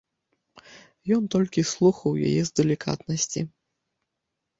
Ён толькі слухаў яе з далікатнасці.